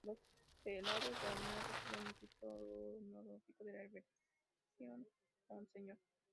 Los prelados de honor recibían el título honorífico de "Reverendo Monseñor".